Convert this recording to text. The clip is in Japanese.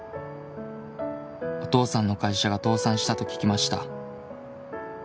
「お父さんの会社が倒産したと聞きました」